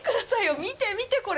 見て、見て、これ。